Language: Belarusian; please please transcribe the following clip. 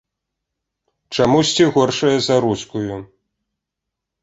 Чамусьці горшая за рускую.